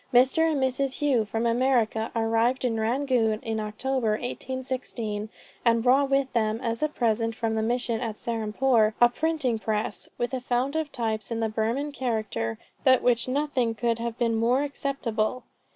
Mr. and Mrs. Hough, from America, arrived in Rangoon in October, 1816; and brought with them as a present from the Mission at Serampore, a printing press, with a fount of types in the Burman character than which nothing could have been more acceptable.